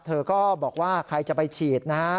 เธอก็บอกว่าใครจะไปฉีดนะฮะ